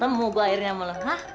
temu gue akhirnya malah hah